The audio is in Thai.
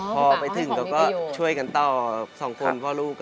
พอไปถึงเขาก็ช่วยกันต่อสองคนพ่อลูก